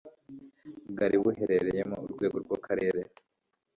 bwari buherereyemo urwego rw akarere